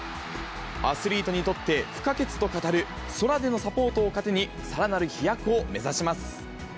アスリートにとって不可欠と語る空でのサポートを糧に、さらなる飛躍を目指します。